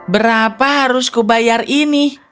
berapa harus kubayar ini